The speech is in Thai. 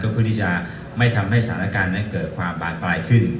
เพื่อที่จะไม่ทำให้สถานการณ์นั้นเกิดความบานปลายขึ้น